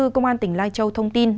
công an tỉnh lai châu thông tin